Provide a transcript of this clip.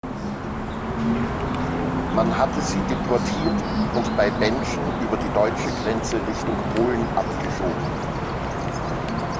Man hatte sie deportiert und bei Bentschen über die deutsche Grenze Richtung Polen abgeschoben.